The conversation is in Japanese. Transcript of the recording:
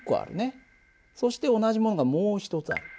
そして同じものがもう一つある。